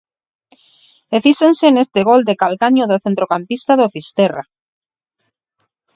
E fíxense neste gol de calcaño do centrocampista do Fisterra.